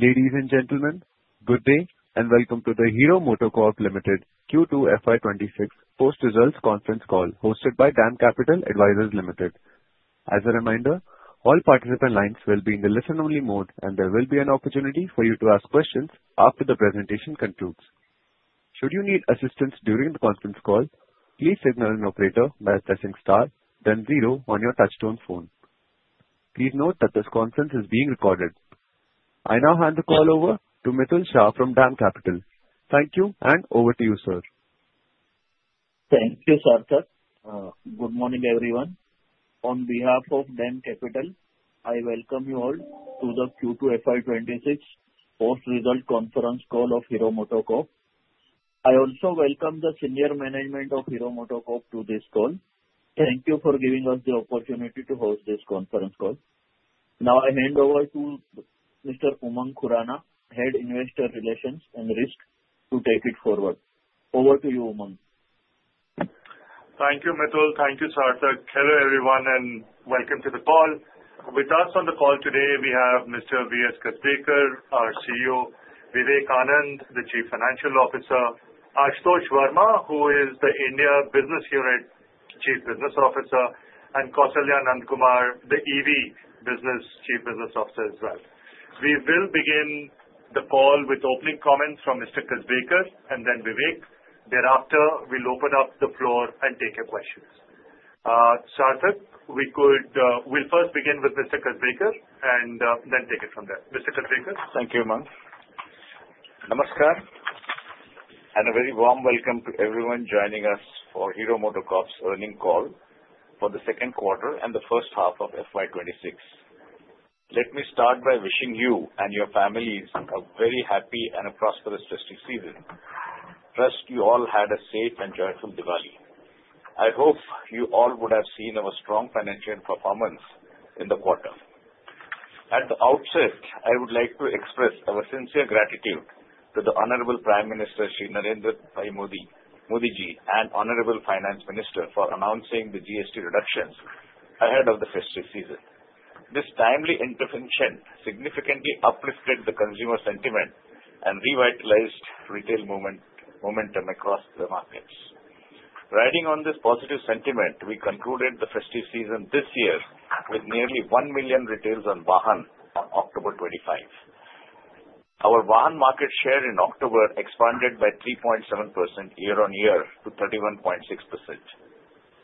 Ladies and gentlemen, good day and Welcome to the Hero MotoCorp Limited Q2 FY 2026 post-results conference call hosted by DAM Capital Advisors Limited. As a reminder, all participant lines will be in the listen-only mode, and there will be an opportunity for you to ask questions after the presentation concludes. Should you need assistance during the conference call, please signal an operator by pressing star, then zero on your touchstone phone. Please note that this conference is being recorded. I now hand the call over to Mitul Shah from DAM Capital. Thank you, and over to you, sir. Thank you, Sarkar. Good morning, everyone. On behalf of DAM Capital, I Welcome you all to the Q2 FY 2026 post-results conference all of Hero MotoCorp. I also welcome the senior management of Hero MotoCorp to this call. Thank you for giving us the opportunity to host this conference call. Now, I hand over to Mr. Umang Khurana, Head Investor Relations and Risk, to take it forward. Over to you, Umang. Thank you, Mithil. Thank you, Sarkar. Hello, everyone, and welcome to the call. With us on the call today, we have Mr. Vikram Kasbekar our CEO Vivek Anand, the Chief Financial Officer; Ashutosh Varma, who is the India Business Unit Chief Business Officer; and Kausalya Nandakumar, the EV Business Chief Business Officer, as well. We will begin the call with opening comments from Mr. Kasbekar and then Vivek. Thereafter, we'll open up the floor and take your questions. Sarkar, we'll first begin with Mr. Kasbekar and then take it from there. Mr. Kasbekar? Thank you, Umang. Namaskar and a very warm Welcome to everyone joining us for Hero MotoCorp's earning call for the second quarter and the first half of FY 2026. Let me start by wishing you and your families a very happy and a prosperous fiscal season. Trust, you all had a safe and joyful Diwali. I hope you all would have seen our strong financial performance in the quarter. At the outset, I would like to express our sincere gratitude to the Honorable Prime Minister Sri Narendra Modi and Honorable Finance Minister for announcing the GST reductions ahead of the fiscal season. This timely intervention significantly uplifted the consumer sentiment and revitalized retail momentum across the markets. Riding on this positive sentiment, we concluded the fiscal season this year with nearly one million retailers on VAHAN on October 25. Our VAHAN market share in October expanded by 3.7% year-on-year to 31.6%.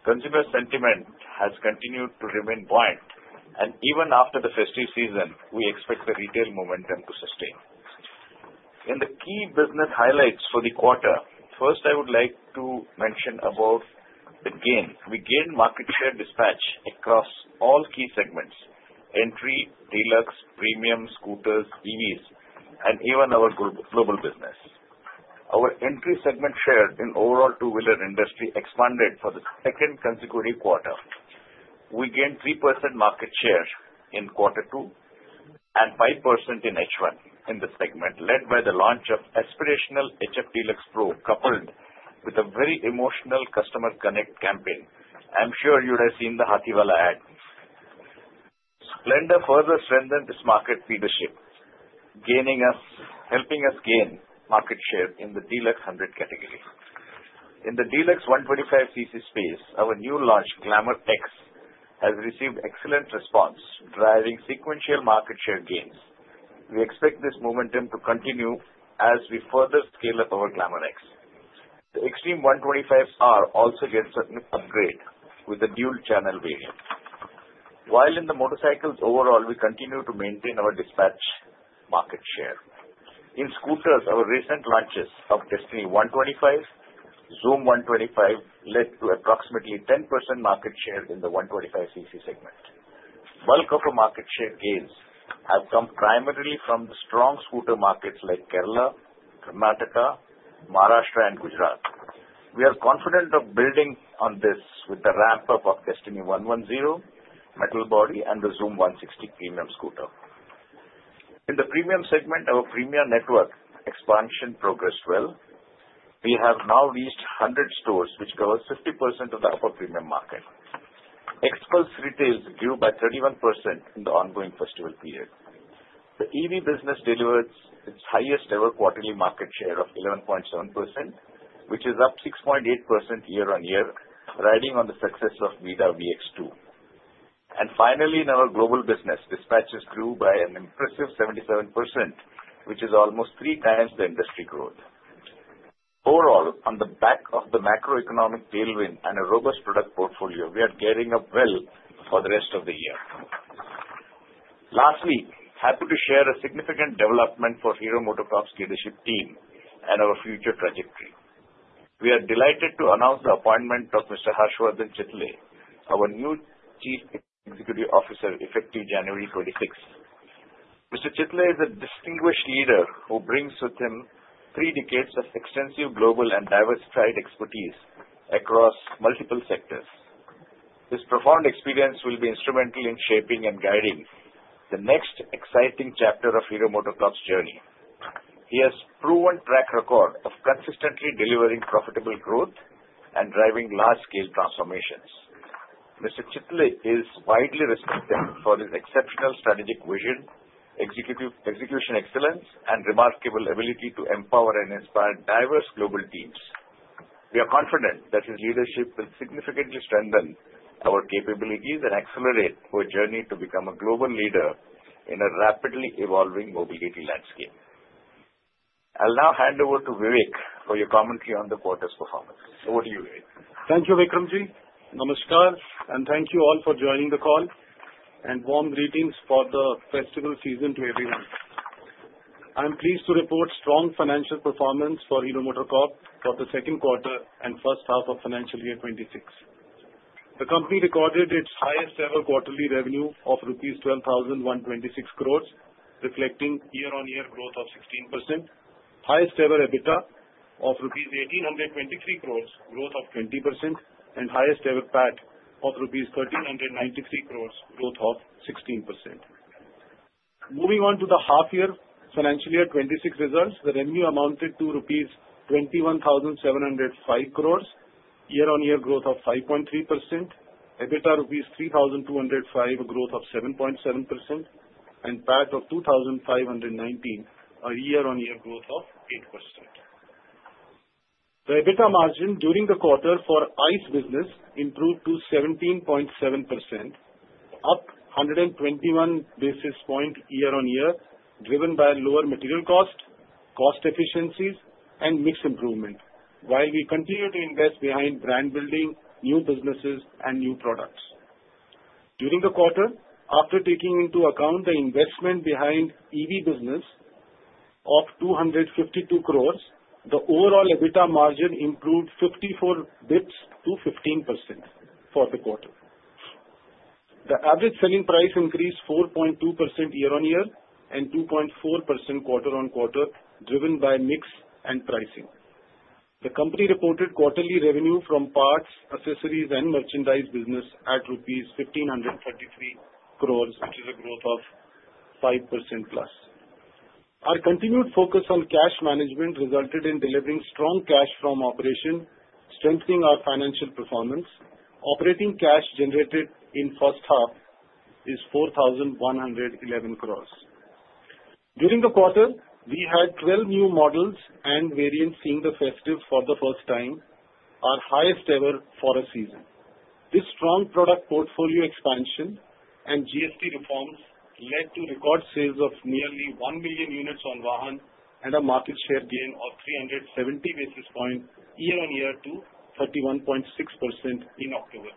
Consumer sentiment has continued to remain buoyant, and even after the fiscal season, we expect the retail momentum to sustain. In the key business highlights for the quarter, first, I would like to mention about the gain. We gained market share dispatch across all key segments: entry, deluxe, premium, scooters, EVs, and even our global business. Our entry segment share in the overall two-wheeler industry expanded for the second consecutive quarter. We gained 3% market share in quarter two and 5% in H1 in the segment, led by the launch of aspirational HF Deluxe Pro coupled with a very emotional Customer Connect campaign. I'm sure you'd have seen the Hathi Wala ad. Splendor further strengthened this market leadership, helping us gain market share in the Deluxe 100 category. In the Deluxe 125cc space, our new launch Glamour X has received excellent response, driving sequential market share gains. We expect this momentum to continue as we further scale up our Glamour X. The Xtreme 125R also gets a new upgrade with the dual-channel variant. While in the motorcycles, overall, we continue to maintain our dispatch market share. In scooters, our recent launches of Destini 125, Xoom 125 led to approximately 10% market share in the 125cc segment. Bulk of our market share gains have come primarily from the strong scooter markets like Kerala, Karnataka, Maharashtra, and Gujarat. We are confident of building on this with the ramp-up of Destini 110, Metal Body, and the Xoom 160 premium scooter. In the premium segment, our premium network expansion progressed well. We have now reached 100 stores, which covers 50% of the upper premium market. Xpulse retailers grew by 31% in the ongoing festival. The EV business delivered its highest-ever quarterly market share of 11.7%, which is up 6.8% year-on-year, riding on the success of VIDA VX2. Finally, in our global business, dispatches grew by an impressive 77%, which is almost three times the industry growth. Overall, on the back of the macroeconomic tailwind and a robust product portfolio, we are gearing up well for the rest of the year. Lastly, happy to share a significant development for Hero MotoCorp's leadership team and our future trajectory. We are delighted to announce the appointment of Mr. Harshvardhan Chitle, our new Chief Executive Officer, effective January 26. Mr. Chitle is a distinguished leader who brings with him three decades of extensive global and diversified expertise across multiple sectors. His profound experience will be instrumental in shaping and guiding the next exciting chapter of Hero MotoCorp's journey. He has a proven track record of consistently delivering profitable growth and driving large-scale transformations. Mr. Chitle is widely respected for his exceptional strategic vision, execution excellence, and remarkable ability to empower and inspire diverse global teams. We are confident that his leadership will significantly strengthen our capabilities and accelerate our journey to become a global leader in a rapidly evolving mobility landscape. I'll now hand over to Vivek for your commentary on the quarter's performance. Over to you, Vivek. Thank you, Vikram. Namaskar, and thank you all for joining the call, and warm greetings for the festival season to everyone. I'm pleased to report strong financial performance for Hero MotoCorp for the second quarter and first half of financial year 2026. The company recorded its highest-ever quarterly revenue of rupees 12,126 crores, reflecting year-on-year growth of 16%, highest-ever EBITDA of rupees 1,823 crores, growth of 20%, and highest-ever PAT of rupees 1,393 crores, growth of 16%. Moving on to the half-year financial year 2026 results, the revenue amounted to 21,705 crores rupees, year-on-year growth of 5.3%, EBITDA rupees 3,205 crores, a growth of 7.7%, and PAT of 2,519 crores, a year-on-year growth of 8%. The EBITDA margin during the quarter for ICE business improved to 17.7%, up 121 basis points year-on-year, driven by lower material cost, cost efficiencies, and mix improvement, while we continue to invest behind brand-building, new businesses, and new products. During the quarter, after taking into account the investment behind EV business of 2.52 crores, the overall EBITDA margin improved 54 bps to 15% for the quarter. The average selling price increased 4.2% year-on-year and 2.4% quarter-on-quarter, driven by mix and pricing. The company reported quarterly revenue from parts, accessories, and merchandise business at rupees 15.33 crores, which is a growth of 5%+. Our continued focus on cash management resulted in delivering strong cash from operation, strengthening our financial performance. Operating cash generated in the first half is 41.11 crores. During the quarter, we had 12 new models and variants seeing the festive for the first time, our highest ever for a season. This strong product portfolio expansion and GST reforms led to record sales of nearly one million units on VAHAN and a market share gain of 370 basis points year-on-year to 31.6% in October.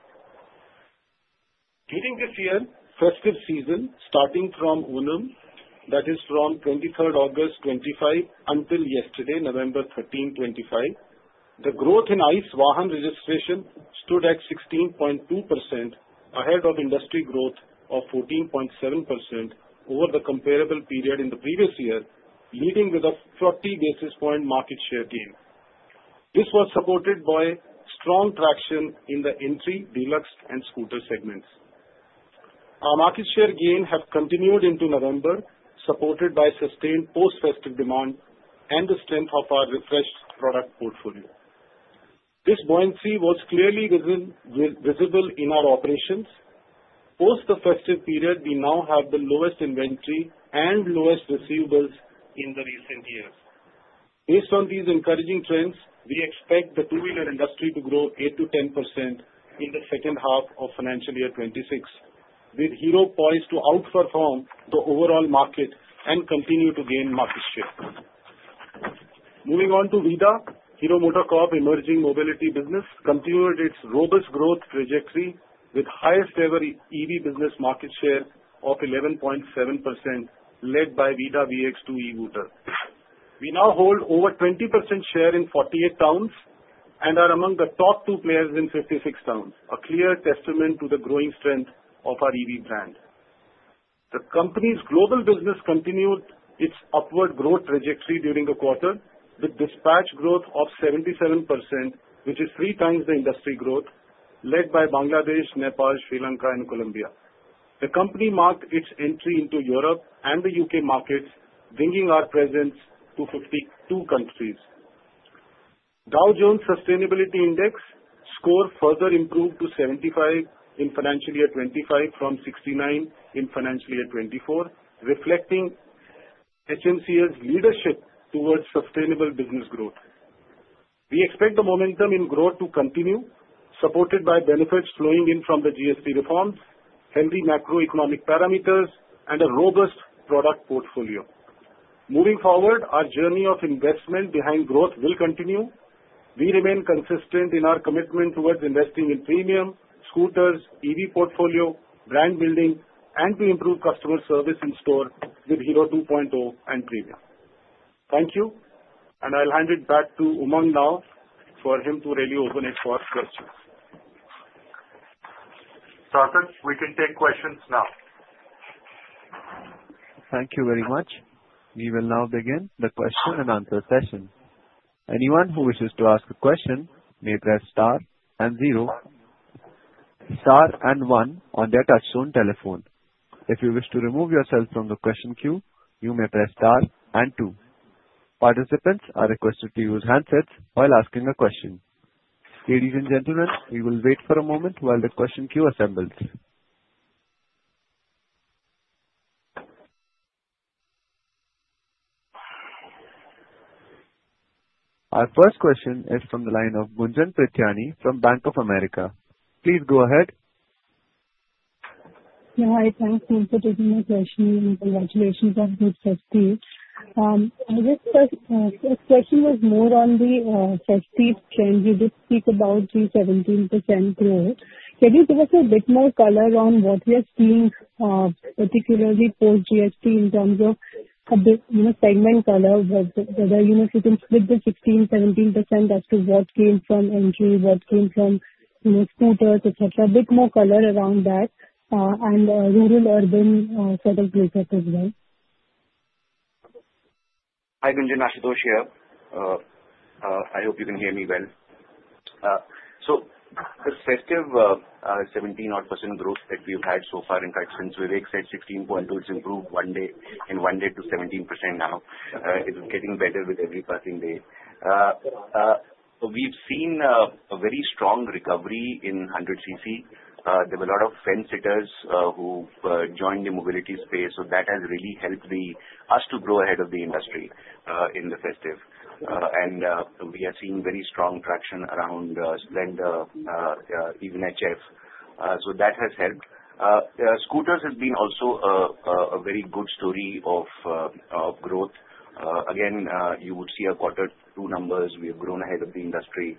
During this year's festive season, starting from Unum, that is, from 23rd August 2025 until yesterday, November 13th, 2025, the growth in ICE VAHAN registration stood at 16.2%, ahead of industry growth of 14.7% over the comparable period in the previous year, leading with a 40 basis point market share gain. This was supported by strong traction in the entry, deluxe, and scooter segments. Our market share gain has continued into November, supported by sustained post-festive demand and the strength of our refreshed product portfolio. This buoyancy was clearly visible in our operations. Post the festive period, we now have the lowest inventory and lowest receivables in the recent years. Based on these encouraging trends, we expect the two-wheeler industry to grow 8%-10% in the second half of financial year 2026, with Hero poised to outperform the overall market and continue to gain market share. Moving on to VIDA, Hero MotoCorp Emerging Mobility Business continued its robust growth trajectory with highest-ever EV business market share of 11.7%, led by VIDA VX2 e-scooter. We now hold over 20% share in 48 towns and are among the top two players in 56 towns, a clear testament to the growing strength of our EV brand. The company's global business continued its upward growth trajectory during the quarter, with dispatch growth of 77%, which is three times the industry growth, led by Bangladesh, Nepal, Sri Lanka, and Colombia. The company marked its entry into Europe and the U.K. markets, bringing our presence to 52 countries. Dow Jones Sustainability Index score further improved to 75 in financial year 2025 from 69 in financial year 2024, reflecting HMCL's leadership towards sustainable business growth. We expect the momentum in growth to continue, supported by benefits flowing in from the GST reforms, healthy macroeconomic parameters, and a robust product portfolio. Moving forward, our journey of investment behind growth will continue. We remain consistent in our commitment towards investing in premium scooters, EV portfolio, brand-building, and to improve customer service in-store with Hero 2.0 and Prema. Thank you, and I'll hand it back to Umang now for him to really open it for questions. Sarkar, we can take questions now. Thank you very much. We will now begin the question-and-answer session. Anyone who wishes to ask a question may press star and zero, star and one on their touchstone telephone. If you wish to remove yourself from the question queue, you may press star and two. Participants are requested to use handsets while asking a question. Ladies and gentlemen, we will wait for a moment while the question queue assembles. Our first question is from the line of Gunjan Prithyani from Bank of America. Please go ahead. Yeah, hi, thanks for taking my question, and congratulations on good first speed. This question was more on the first speed trend. You did speak about the 17% growth. Can you give us a bit more color on what we are seeing, particularly post-GST in terms of segment color, whether you can split the 16%, 17% as to what came from entry, what came from scooters, etc.? A bit more color around that and rural-urban sort of research as well. Hi, Gunjan, Ashutosh here. I hope you can hear me well. The festive 17% growth that we've had so far, in fact, since Vivek said 16.2%, it's improved in one day to 17% now. It's getting better with every passing day. We've seen a very strong recovery in 100cc. There were a lot of fence-sitters who joined the mobility space, so that has really helped us to grow ahead of the industry in the festive. We are seeing very strong traction around Splendor, even HF. That has helped. Scooters has been also a very good story of growth. Again, you would see quarter two numbers. We have grown ahead of the industry,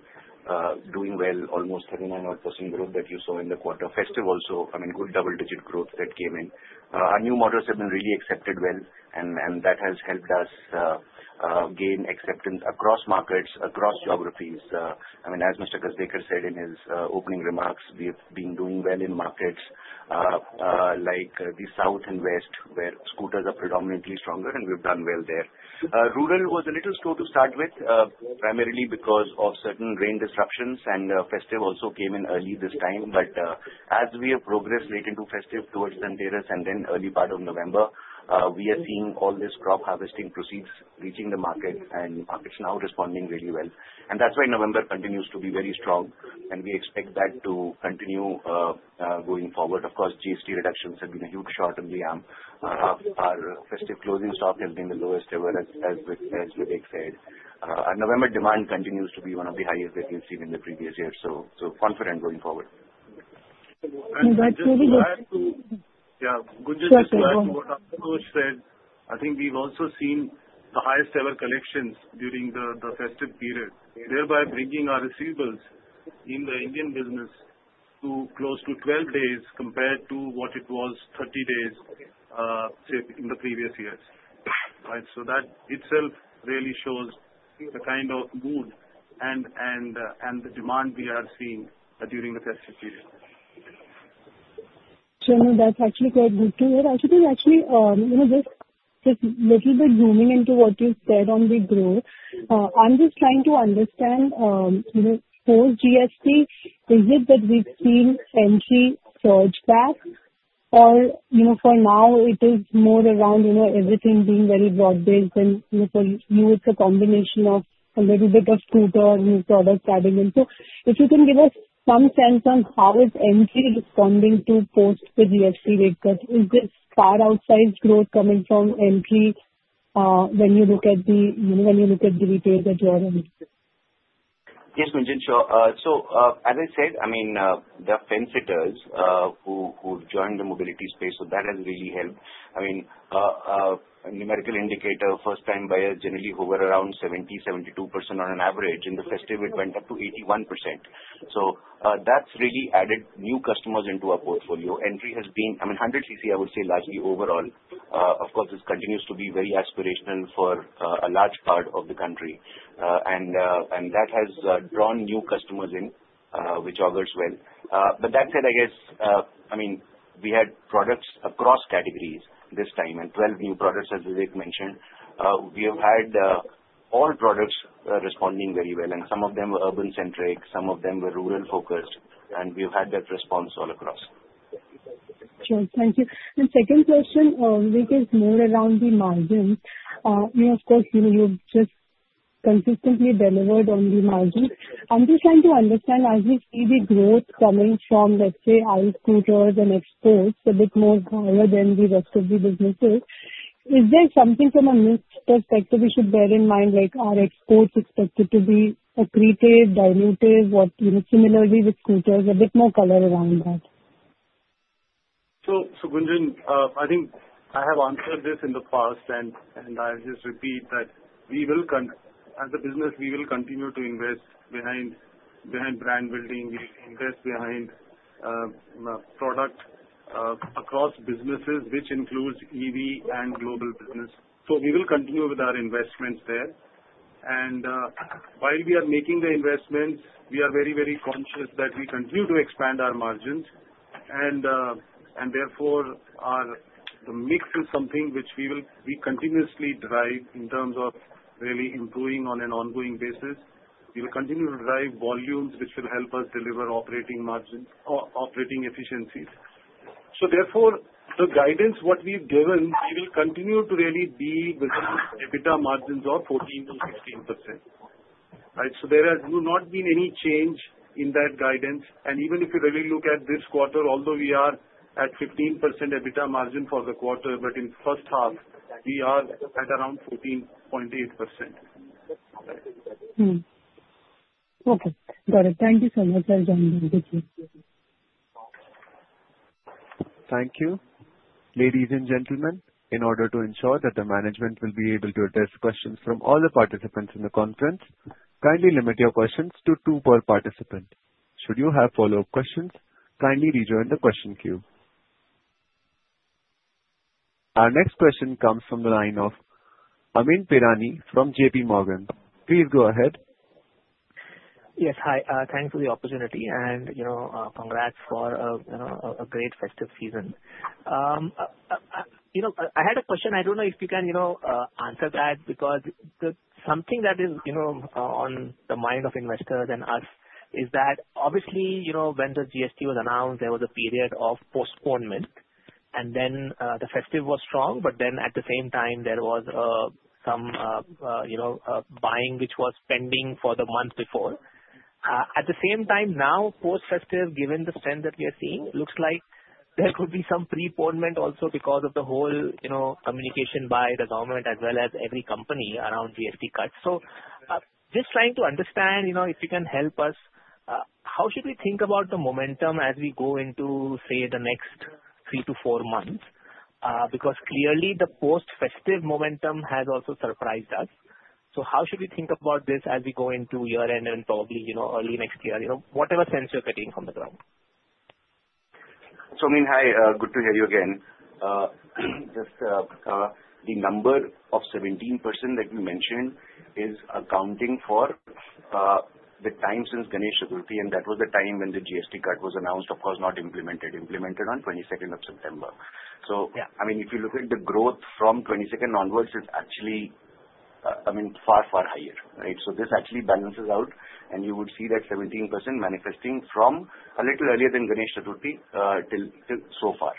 doing well, almost 39% growth that you saw in the quarter festive. Also, I mean, good double-digit growth that came in. Our new models have been really accepted well, and that has helped us gain acceptance across markets, across geographies. I mean, as Mr. Kasbekar said in his opening remarks, we have been doing well in markets like the south and west, where scooters are predominantly stronger, and we've done well there. Rural was a little slow to start with, primarily because of certain rain disruptions, and festive also came in early this time. As we have progressed late into festive towards the end of the year, and then early part of November, we are seeing all these crop harvesting proceeds reaching the market, and markets are now responding really well. That's why November continues to be very strong, and we expect that to continue going forward. Of course, GST reductions have been a huge shot in the arm. Our festive closing stock has been the lowest ever, as Vivek said. Our November demand continues to be one of the highest that we've seen in the previous year. Confident going forward. That's really good. Yeah, Gunjan just said what Ashutosh said. I think we've also seen the highest-ever collections during the festive period, thereby bringing our receivables in the Indian business to close to 12 days compared to what it was 30 days in the previous years. Right? That itself really shows the kind of mood and the demand we are seeing during the festive period. Sure. No, that's actually quite good to hear. Ashutosh, actually, just a little bit zooming into what you said on the growth, I'm just trying to understand, post-GST, is it that we've seen entry surge back, or for now, it is more around everything being very broad-based? For you, it's a combination of a little bit of scooter and products adding in. If you can give us some sense on how is entry responding to post-GST rates? Is this far outsized growth coming from entry when you look at the retail that you are in? Yes, Gunjan. As I said, I mean, the fence-sitters who joined the mobility space, that has really helped. I mean, numerical indicator, first-time buyers generally hover around 70%-72% on average. In the festive, it went up to 81%. That has really added new customers into our portfolio. Entry has been, I mean, 100cc, I would say, largely overall. Of course, this continues to be very aspirational for a large part of the country, and that has drawn new customers in, which augurs well. That said, I guess, I mean, we had products across categories this time and 12 new products, as Vivek mentioned. We have had all products responding very well, and some of them were urban-centric, some of them were rural-focused, and we have had that response all across. Sure. Thank you. Second question, Vivek, is more around the margins. Of course, you have just consistently delivered on the margins. I am just trying to understand, as we see the growth coming from, let's say, ICE scooters and exports, a bit more power than the rest of the businesses, is there something from a mix perspective we should bear in mind, like are exports expected to be accretive, dilutive, similarly with scooters, a bit more color around that? Gunjan, I think I have answered this in the past, and I'll just repeat that we will, as a business, continue to invest behind brand-building. We invest behind product across businesses, which includes EV and global business. We will continue with our investments there. While we are making the investments, we are very, very conscious that we continue to expand our margins. Therefore, the mix is something which we will continuously drive in terms of really improving on an ongoing basis. We will continue to drive volumes, which will help us deliver operating margins, operating efficiencies. Therefore, the guidance, what we've given, we will continue to really be within EBITDA margins of 14%-16%. Right? There has not been any change in that guidance. Even if you really look at this quarter, although we are at 15% EBITDA margin for the quarter, in the first half, we are at around 14.8%. Okay. Got it. Thank you so much, sir. Thank you. Thank you. Ladies and gentlemen, in order to ensure that the management will be able to address questions from all the participants in the conference, kindly limit your questions to two per participant. Should you have follow-up questions, kindly rejoin the question queue. Our next question comes from the line of Amyn Pirani from JPMorgan. Please go ahead. Yes. Hi. Thanks for the opportunity, and congrats for a great festive season. I had a question. I do not know if you can answer that because something that is on the mind of investors and us is that, obviously, when the GST was announced, there was a period of postponement, and then the festive was strong. At the same time, there was some buying, which was pending for the month before. At the same time, now, post-festive, given the trend that we are seeing, it looks like there could be some preponement also because of the whole communication by the government, as well as every company around GST cuts. Just trying to understand, if you can help us, how should we think about the momentum as we go into, say, the next three to four months? Clearly, the post-festive momentum has also surprised us. How should we think about this as we go into year-end and probably early next year, whatever sense you're getting from the ground? Amyn, hi. Good to hear you again. The number of 17% that you mentioned is accounting for the time since Ganesh Chaturthi, and that was the time when the GST cut was announced, of course, not implemented, implemented on 22nd of September. I mean, if you look at the growth from 22nd onwards, it's actually, I mean, far, far higher. Right? This actually balances out, and you would see that 17% manifesting from a little earlier than Ganesh Chaturthi till so far.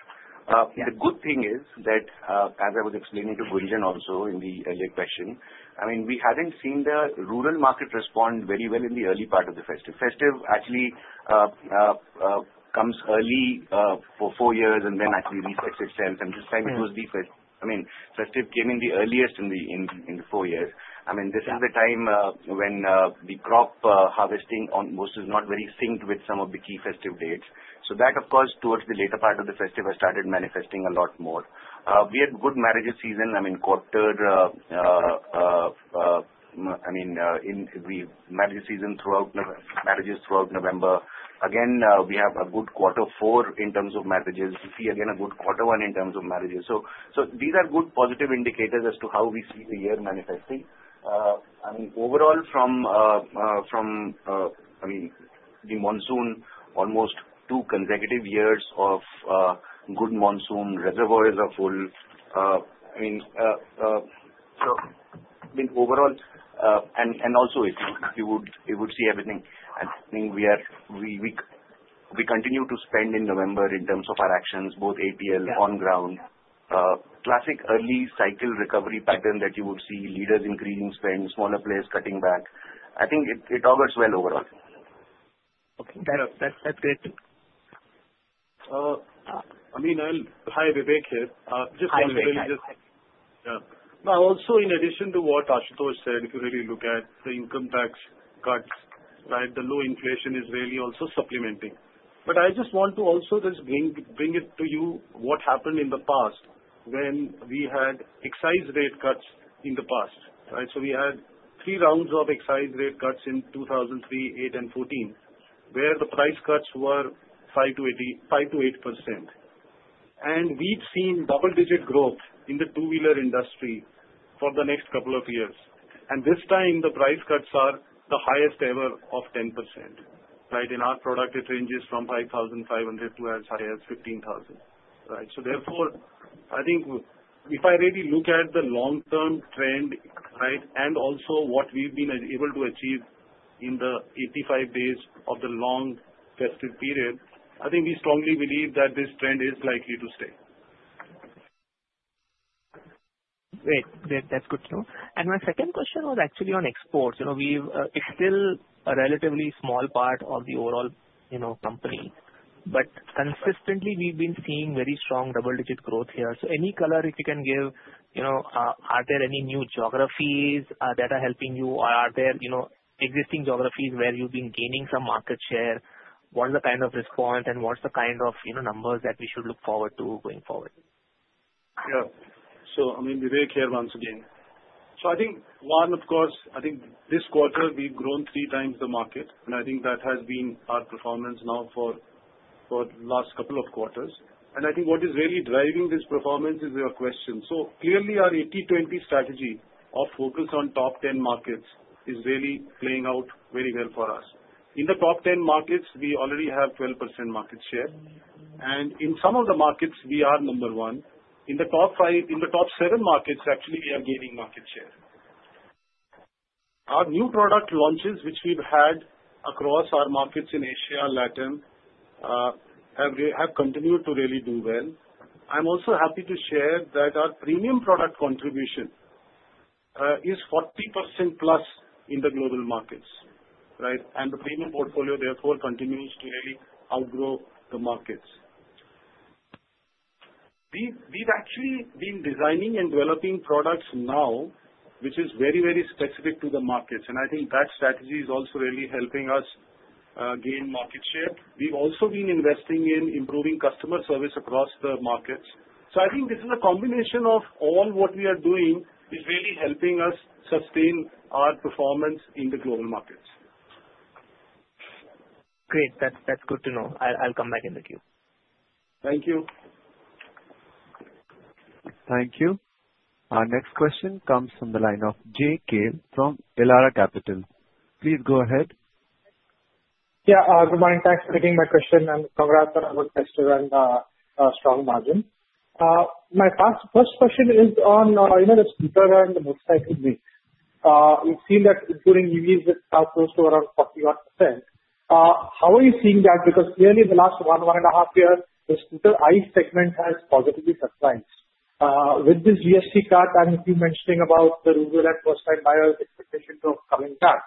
The good thing is that, as I was explaining to Gunjan also in the earlier question, I mean, we hadn't seen the rural market respond very well in the early part of the festive. Festive actually comes early for four years and then actually resets itself. This time, festive came in the earliest in the four years. This is the time when the crop harvesting almost is not very synced with some of the key festive dates. That, of course, towards the later part of the festive, has started manifesting a lot more. We had good marriage season. I mean, quarter, we had marriage season throughout marriages throughout November. Again, we have a good quarter four in terms of marriages. We see again a good quarter one in terms of marriages. These are good positive indicators as to how we see the year manifesting. Overall, from the monsoon, almost two consecutive years of good monsoon, reservoirs are full. I mean, overall, and also, if you would see everything, I think we continue to spend in November in terms of our actions, both APL, on-ground, classic early cycle recovery pattern that you would see leaders increasing spend, smaller players cutting back. I think it augurs well overall. Okay. That's great. Amyn, hi. Vivek here. Just finally, really just. Hi. Yeah. Also, in addition to what Ashutosh said, if you really look at the income tax cuts, right, the low inflation is really also supplementing. I just want to also just bring it to you what happened in the past when we had excise rate cuts in the past, right? We had three rounds of excise rate cuts in 2003, 2008, and 2014, where the price cuts were 5%-8%. We have seen double-digit growth in the two-wheeler industry for the next couple of years. This time, the price cuts are the highest ever of 10%. In our product, it ranges from 5,500 to as high as 15,000, right? Therefore, I think if I really look at the long-term trend, right, and also what we've been able to achieve in the 85 days of the long festive period, I think we strongly believe that this trend is likely to stay. Great. That's good to know. My second question was actually on exports. It's still a relatively small part of the overall company, but consistently, we've been seeing very strong double-digit growth here. Any color, if you can give, are there any new geographies that are helping you, or are there existing geographies where you've been gaining some market share? What's the kind of response, and what's the kind of numbers that we should look forward to going forward? Yeah. Amin, Vivek here once again. I think, one, of course, this quarter, we've grown three times the market, and that has been our performance now for the last couple of quarters. I think what is really driving this performance is your question. Clearly, our 80/20 strategy of focus on top 10 markets is really playing out very well for us. In the top 10 markets, we already have 12% market share. In some of the markets, we are number one. In the top seven markets, actually, we are gaining market share. Our new product launches, which we've had across our markets in Asia, Latin, have continued to really do well. I'm also happy to share that our premium product contribution is 40%+ in the global markets. Right? The premium portfolio, therefore, continues to really outgrow the markets. We've actually been designing and developing products now, which is very, very specific to the markets. I think that strategy is also really helping us gain market share. We've also been investing in improving customer service across the markets. I think this is a combination of all what we are doing is really helping us sustain our performance in the global markets. Great. That's good to know. I'll come back in the queue. Thank you. Thank you. Our next question comes from the line of Jay Kale from Elara Capital. Please go ahead. Yeah. Good morning. Thanks for taking my question. And congrats on a good festive and strong margin. My first question is on the scooter and the motorcycle mix. We've seen that including EVs is now close to around 41%. How are you seeing that? Because clearly, in the last one, one and a half years, the scooter ICE segment has positively surprised. With this GST cut, I'm hearing you mentioning about the rural and first-time buyers' expectations of coming back.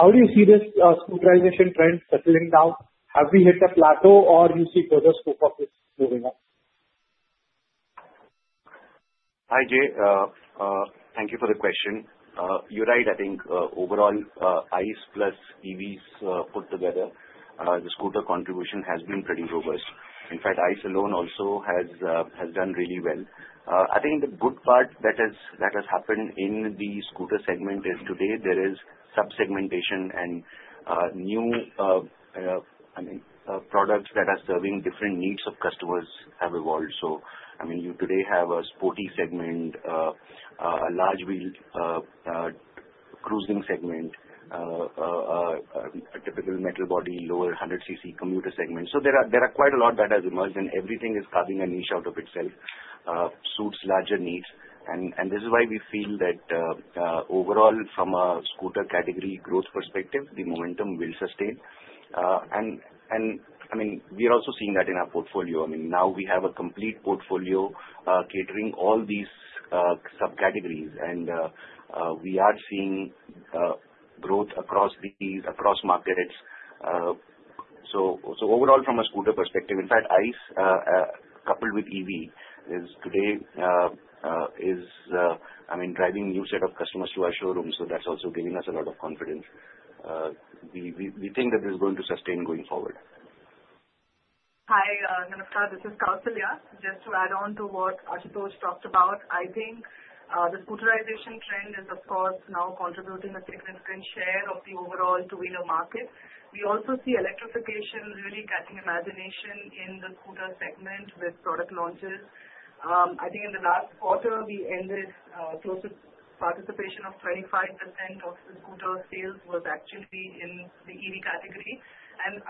How do you see this scooterization trend settling down? Have we hit a plateau, or do you see further scope of this moving up? Hi, Jay. Thank you for the question. You're right. I think overall, ICE plus EVs put together, the scooter contribution has been pretty robust. In fact, ICE alone also has done really well. I think the good part that has happened in the scooter segment is today, there is sub-segmentation and new, I mean, products that are serving different needs of customers have evolved. I mean, you today have a sporty segment, a large-wheel cruising segment, a typical metal body, lower 100cc commuter segment. There are quite a lot that has emerged, and everything is carving a niche out of itself, suits larger needs. This is why we feel that overall, from a scooter category growth perspective, the momentum will sustain. I mean, we are also seeing that in our portfolio. I mean, now we have a complete portfolio catering all these subcategories, and we are seeing growth across markets. Overall, from a scooter perspective, in fact, ICE coupled with EV today is, I mean, driving a new set of customers to our showrooms. That is also giving us a lot of confidence. We think that this is going to sustain going forward. Hi. Namaskar. This is Kausalya. Just to add on to what Ashutosh talked about, I think the scooterization trend is, of course, now contributing a significant share of the overall two-wheeler market. We also see electrification really catching imagination in the scooter segment with product launches. I think in the last quarter, we ended close to participation of 25% of the scooter sales was actually in the EV category.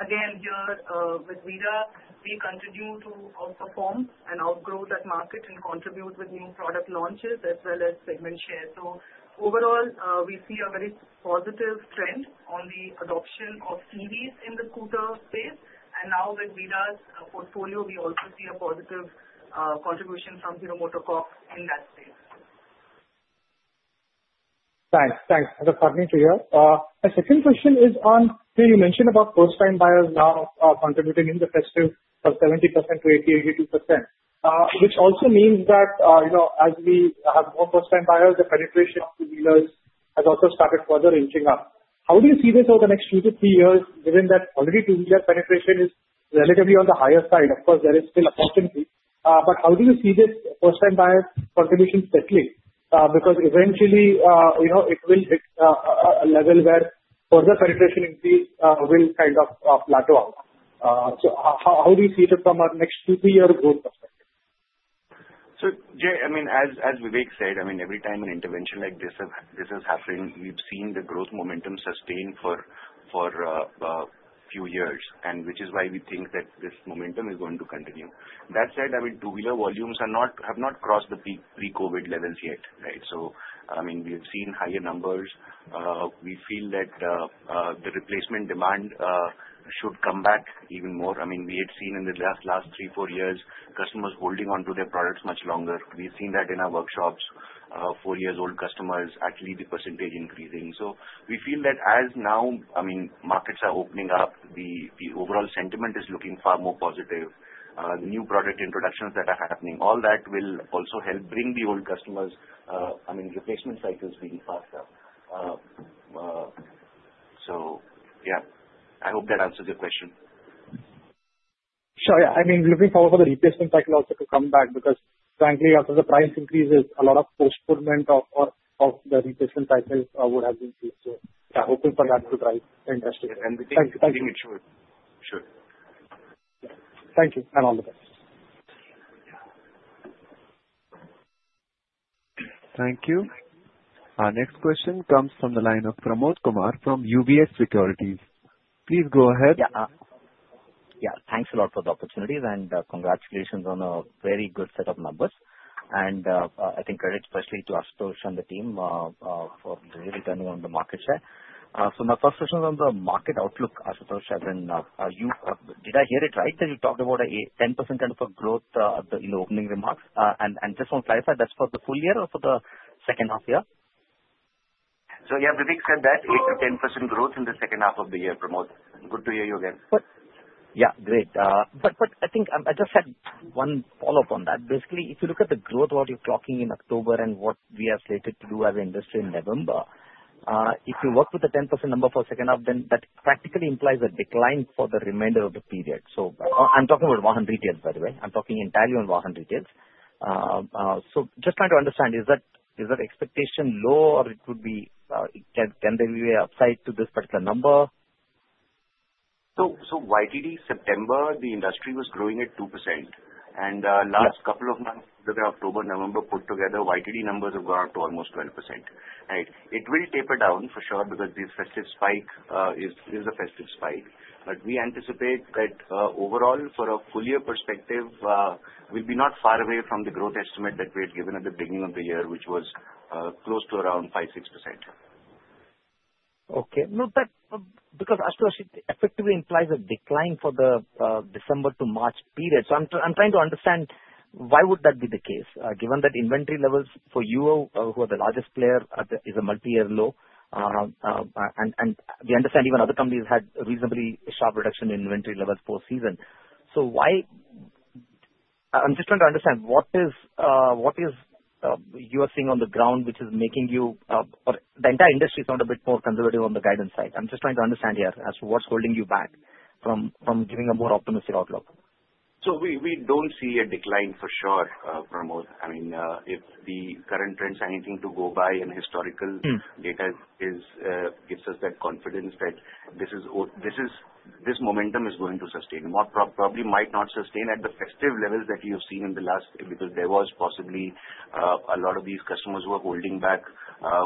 Again, here with VIDA, we continue to outperform and outgrow that market and contribute with new product launches as well as segment share. Overall, we see a very positive trend on the adoption of EVs in the scooter space. Now, with VIDA's portfolio, we also see a positive contribution from Hero MotoCorp in that space. Thanks. Thanks. That's lovely to hear. My second question is on, you mentioned about first-time buyers now contributing in the festive from 70%-80%, 82%, which also means that as we have more first-time buyers, the penetration of two-wheelers has also started further inching up. How do you see this over the next two to three years given that already two-wheeler penetration is relatively on the higher side? Of course, there is still opportunity, but how do you see this first-time buyer contribution settling? Because eventually, it will hit a level where further penetration increase will kind of plateau out. How do you see it from our next two to three-year growth perspective? Jay, I mean, as Vivek said, every time an intervention like this has happened, we've seen the growth momentum sustain for a few years, which is why we think that this momentum is going to continue. That said, two-wheeler volumes have not crossed the pre-COVID levels yet. Right? We've seen higher numbers. We feel that the replacement demand should come back even more. We had seen in the last three, four years, customers holding onto their products much longer. We've seen that in our workshops, four-year-old customers, actually the percentage increasing. We feel that as now markets are opening up, the overall sentiment is looking far more positive. The new product introductions that are happening, all that will also help bring the old customers, replacement cycles being faster. Yeah, I hope that answers your question. Sure. Yeah. I mean, looking forward for the replacement cycle also to come back because, frankly, after the price increases, a lot of postponement of the replacement cycle would have been seen. Yeah, hoping for that to drive the industry. We think it should. Thank you. All the best. Thank you. Our next question comes from the line of Pramod Kumar from UBS Securities. Please go ahead. Yeah. Yeah. Thanks a lot for the opportunities, and congratulations on a very good set of numbers. I think credit especially to Ashutosh and the team for really turning on the market share. My first question is on the market outlook, Ashutosh. Did I hear it right that you talked about a 10% kind of a growth in the opening remarks? I just want to clarify, that's for the full year or for the second half year? Yeah, Vivek said that 8%-10% growth in the second half of the year, Pramod. Good to hear you again. Yeah. Great. I just had one follow-up on that. Basically, if you look at the growth of what you're clocking in October and what we have slated to do as an industry in November, if you work with the 10% number for the second half, that practically implies a decline for the remainder of the period. I'm talking about VAHAN Retails, by the way. I'm talking entirely on VAHAN Retails. Just trying to understand, is that expectation low or could there be a side to this particular number? YTD September, the industry was growing at 2%. Last couple of months, whether October, November put together, YTD numbers have gone up to almost 12%. Right? It will taper down for sure because this festive spike is a festive spike. We anticipate that overall, for a full-year perspective, we'll be not far away from the growth estimate that we had given at the beginning of the year, which was close to around 5%-6%. Okay. No, but because Ashutosh effectively implies a decline for the December to March period. I'm trying to understand why would that be the case given that inventory levels for you, who are the largest player, is a multi-year low? We understand even other companies had reasonably sharp reduction in inventory levels post-season. I'm just trying to understand what is you are seeing on the ground which is making you or the entire industry sound a bit more conservative on the guidance side. I'm just trying to understand here, Ashutosh, what's holding you back from giving a more optimistic outlook? We don't see a decline for sure, Pramod. I mean, if the current trend's anything to go by and historical data gives us that confidence that this momentum is going to sustain. It probably might not sustain at the festive levels that you've seen in the last because there was possibly a lot of these customers who are holding back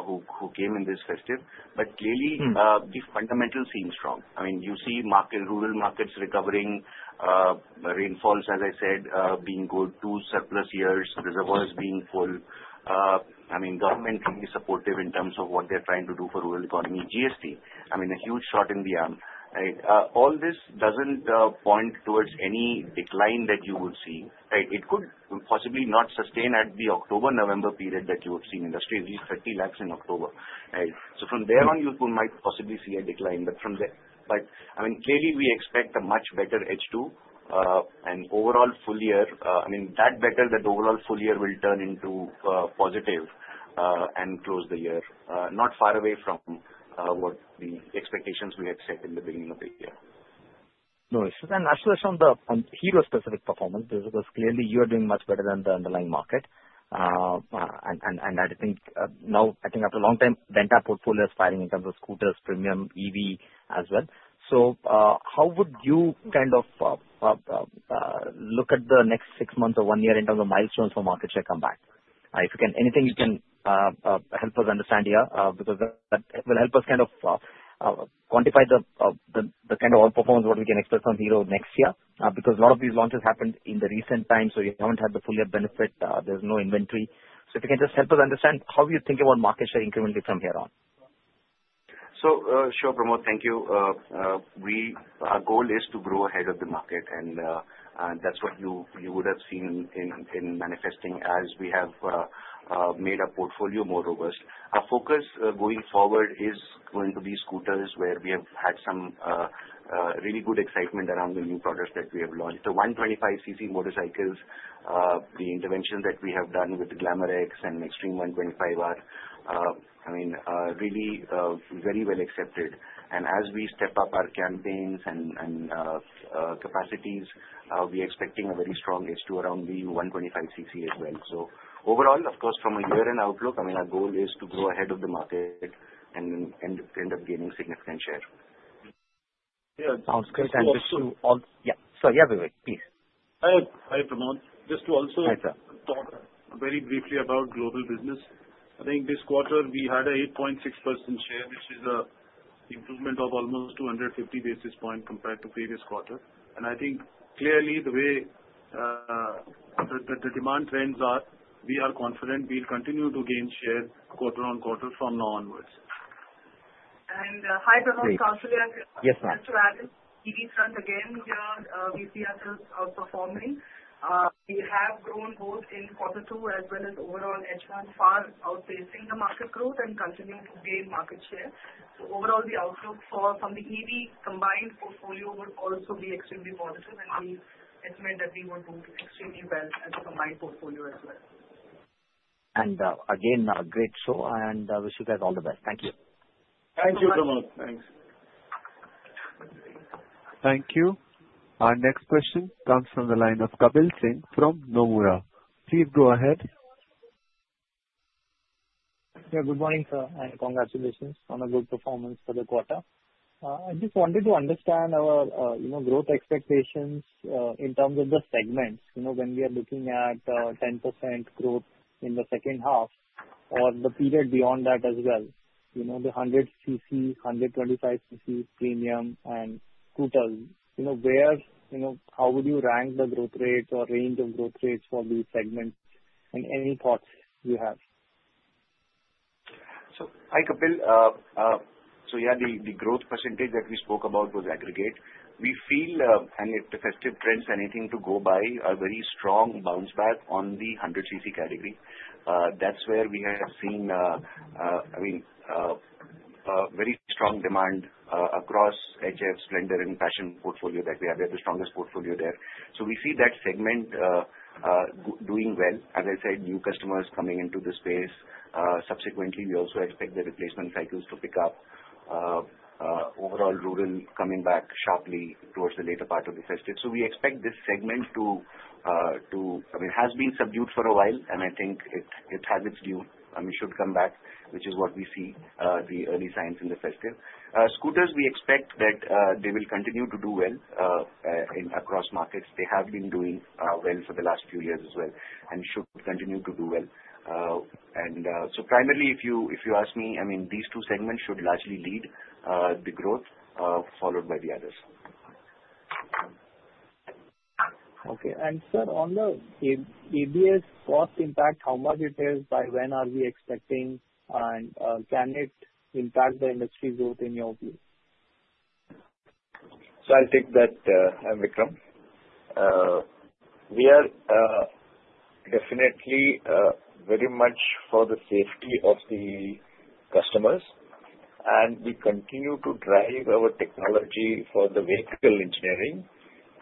who came in this festive. Clearly, the fundamentals seem strong. I mean, you see rural markets recovering, rainfalls, as I said, being good, two surplus years, reservoirs being full. I mean, government is supportive in terms of what they're trying to do for rural economy. GST, I mean, a huge shot in the arm. Right? All this doesn't point towards any decline that you would see. Right? It could possibly not sustain at the October-November period that you have seen in the streets, at least 30 Lakhs in October. Right? From there on, you might possibly see a decline. I mean, clearly, we expect a much better H2 and overall full year. I mean, that better that overall full year will turn into positive and close the year not far away from what the expectations we had set in the beginning of the year. No worries. Ashutosh, on the Hero-specific performance, because clearly, you are doing much better than the underlying market. I think now, after a long time, VIDA portfolio is firing in terms of scooters, premium, EV as well. How would you kind of look at the next six months or one year in terms of milestones for market share come back? If you can, anything you can help us understand here because that will help us kind of quantify the kind of outperformance what we can expect from Hero next year because a lot of these launches happened in the recent time, so you haven't had the full-year benefit. There's no inventory. If you can just help us understand how you think about market share incrementally from here on. Sure, Pramod. Thank you. Our goal is to grow ahead of the market, and that's what you would have seen manifesting as we have made our portfolio more robust. Our focus going forward is going to be scooters where we have had some really good excitement around the new products that we have launched. The 125cc motorcycles, the intervention that we have done with the Glamour X and the Xtreme 125R, I mean, really very well accepted. As we step up our campaigns and capacities, we are expecting a very strong H2 around the 125cc as well. So overall, of course, from a year-end outlook, I mean, our goal is to grow ahead of the market and end up gaining significant share. Yeah. Sounds great. Just to. Thank you. Yeah. So yeah, Vivek, please. Hi, Pramod. Just to also. Hi, sir. Talk very briefly about global business. I think this quarter, we had an 8.6% share, which is an improvement of almost 250 basis points compared to previous quarter. I think clearly, the way the demand trends are, we are confident we'll continue to gain share quarter on quarter from now onwards. Hi, Pramod. Yes, ma'am. EV trend again here. We see ourselves outperforming. We have grown both in quarter two as well as overall H1, far outpacing the market growth and continuing to gain market share. Overall, the outlook for from the EV combined portfolio will also be extremely positive, and we estimate that we will do extremely well as a combined portfolio as well. Great show, and I wish you guys all the best. Thank you. Thank you, Pramod. Thanks. Thank you. Our next question comes from the line of Kapil Singh from Nomura. Please go ahead. Yeah. Good morning, sir, and congratulations on a good performance for the quarter. I just wanted to understand our growth expectations in terms of the segments when we are looking at 10% growth in the second half or the period beyond that as well. The 100cc, 125cc premium, and scooters, how would you rank the growth rates or range of growth rates for these segments? Any thoughts you have? Hi, Kapil. Yeah, the growth percentage that we spoke about was aggregate. We feel the festive trends, anything to go by, are very strong bounce back on the 100cc category. That's where we have seen, I mean, very strong demand across HF, Splendor, and Passion portfolio that we have. We have the strongest portfolio there. We see that segment doing well. As I said, new customers coming into the space. Subsequently, we also expect the replacement cycles to pick up. Overall, rural coming back sharply towards the later part of the festive. We expect this segment to, I mean, has been subdued for a while, and I think it has its due. I mean, it should come back, which is what we see, the early signs in the festive. Scooters, we expect that they will continue to do well across markets. They have been doing well for the last few years as well and should continue to do well. If you ask me, I mean, these two segments should largely lead the growth, followed by the others. Okay. Sir, on the ABS cost impact, how much it is, by when are we expecting, and can it impact the industry growth in your view? I'll take that, Vikram. We are definitely very much for the safety of the customers, and we continue to drive our technology for the vehicle engineering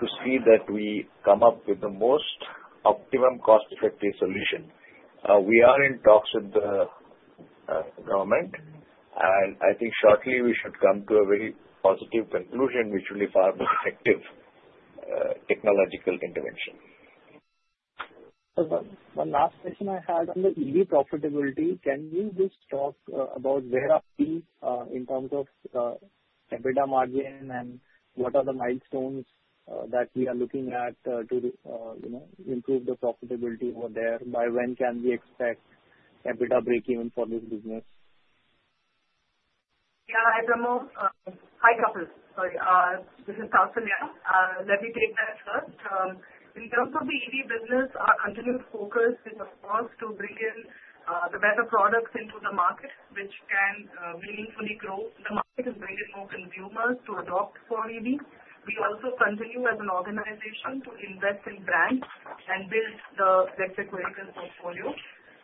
to see that we come up with the most optimum cost-effective solution. We are in talks with the government, and I think shortly we should come to a very positive conclusion, which will be far more effective technological intervention. One last question I had on the EV profitability. Can you just talk about where are we in terms of EBITDA margin and what are the milestones that we are looking at to improve the profitability over there? By when can we expect EBITDA break-even for this business? Yeah. Hi, Pramod. Hi, Kapil. Sorry. This is Kausalya. Let me take that first. In terms of the EV business, our continued focus is, of course, to bring in the better products into the market, which can meaningfully grow the market and bring in more consumers to adopt for EV. We also continue as an organization to invest in brands and build the electric vehicle portfolio.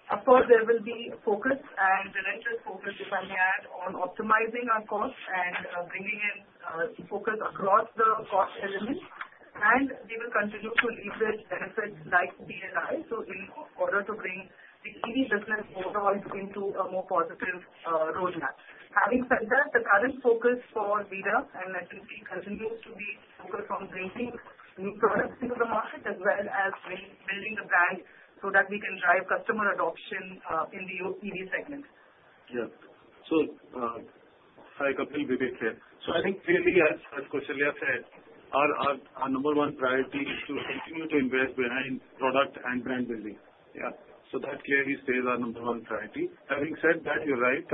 Of course, there will be focus and relentless focus, if I may add, on optimizing our costs and bringing in focus across the cost elements. We will continue to leverage benefits like CSI in order to bring the EV business overall into a more positive roadmap. Having said that, the current focus for VIDA and EV continues to be focused on bringing new products into the market as well as building the brand so that we can drive customer adoption in the EV segment. Yeah. Hi, Kapil. Vivek here. I think clearly, as Ashutosh earlier said, our number one priority is to continue to invest behind product and brand building. Yeah. That clearly stays our number one priority. Having said that, you're right.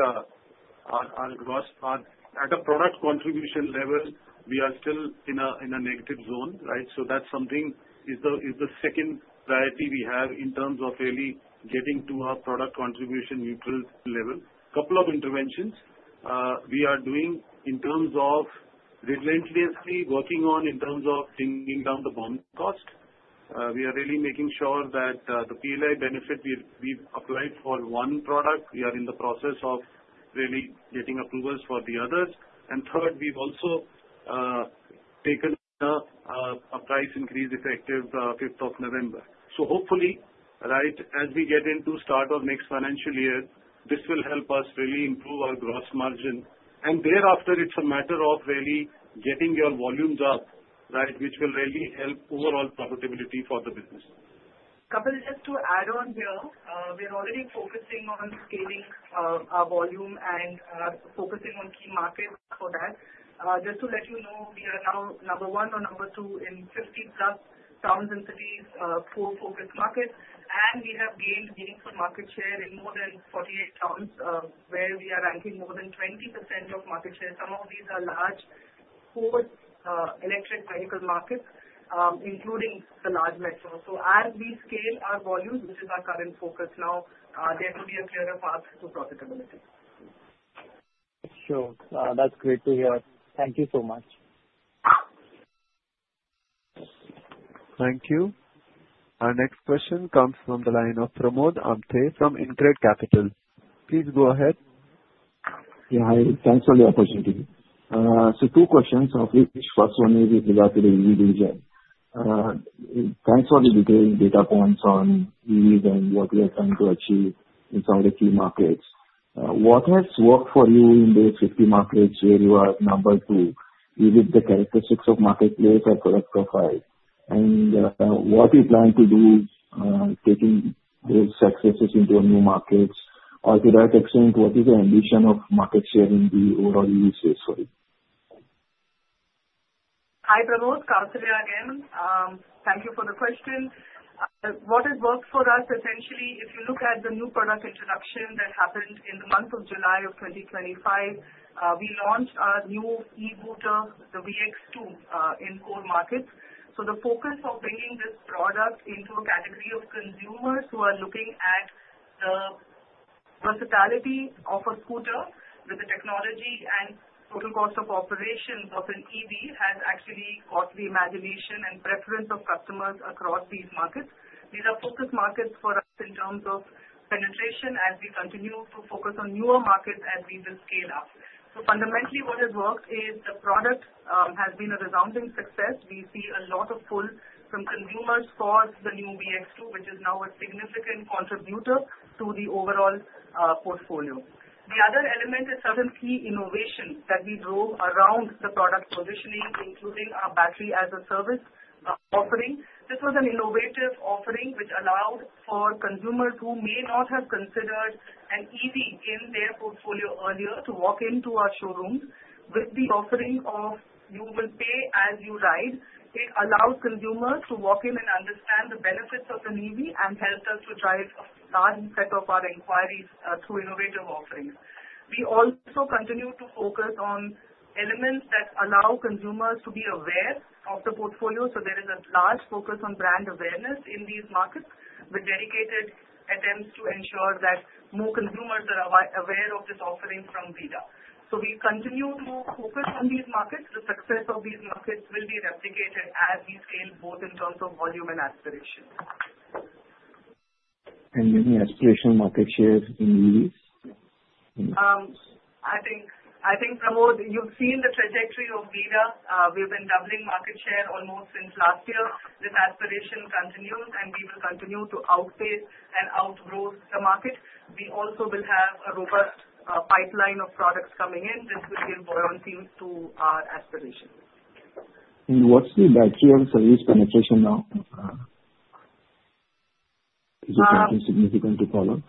At a product contribution level, we are still in a negative zone. Right? That is the second priority we have in terms of really getting to our product contribution neutral level. A couple of interventions we are doing in terms of relentlessly working on bringing down the bomb cost. We are really making sure that the PLI benefit we've applied for one product, we are in the process of really getting approvals for the others. Third, we've also taken a price increase effective 5th of November. Hopefully, right, as we get into start of next financial year, this will help us really improve our gross margin. Thereafter, it's a matter of really getting your volumes up, right, which will really help overall profitability for the business. Kapil, just to add on here, we're already focusing on scaling our volume and focusing on key markets for that. Just to let you know, we are now number one or number two in 50plus towns and cities, four focus markets. We have gained meaningful market share in more than 48 towns where we are ranking more than 20% of market share. Some of these are large four electric vehicle markets, including the large metro. As we scale our volumes, which is our current focus now, there will be a clearer path to profitability. Sure. That's great to hear. Thank you so much. Thank you. Our next question comes from the line of Pramod Amthe from InCred Capital. Please go ahead. Yeah. Hi. Thanks for the opportunity. Two questions, of which first one is regarding EV engineering. Thanks for the detailed points on EVs and what we are trying to achieve in some of the key markets. What has worked for you in the 50 markets where you are number two? Is it the characteristics of marketplace or product profile? What are you planning to do, taking those successes into new markets? To that extent, what is the ambition of market share in the overall EV space for you? Hi, Pramod. Kausalya again. Thank you for the question. What has worked for us, essentially, if you look at the new product introduction that happened in the month of July of 2025, we launched our new e-scooter, the VX2, in core markets. The focus of bringing this product into a category of consumers who are looking at the versatility of a scooter with the technology and total cost of operation of an EV has actually caught the imagination and preference of customers across these markets. These are focus markets for us in terms of penetration as we continue to focus on newer markets as we will scale up. Fundamentally, what has worked is the product has been a resounding success. We see a lot of pull from consumers for the new VX2, which is now a significant contributor to the overall portfolio. The other element is certain key innovations that we drove around the product positioning, including our battery as a service offering. This was an innovative offering which allowed for consumers who may not have considered an EV in their portfolio earlier to walk into our showrooms with the offering of, "You will pay as you ride." It allows consumers to walk in and understand the benefits of an EV and helped us to drive a large set of our inquiries through innovative offerings. We also continue to focus on elements that allow consumers to be aware of the portfolio. There is a large focus on brand awareness in these markets with dedicated attempts to ensure that more consumers are aware of this offering from VIDA. We continue to focus on these markets. The success of these markets will be replicated as we scale both in terms of volume and aspiration. You mean aspiration market share in EVs? I think, Pramod, you've seen the trajectory of VIDA. We've been doubling market share almost since last year. This aspiration continues, and we will continue to outpace and outgrow the market. We also will have a robust pipeline of products coming in. This will give buoyancy to our aspiration. What's the battery and service penetration now? Is it something significant to follow?